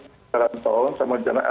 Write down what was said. sekarang kita akan